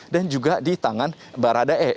dan juga di tangan baradae